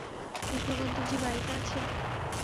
কৃষ্ণকান্ত জি বাড়িতে আছে?